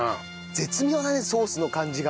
絶妙だねソースの感じが。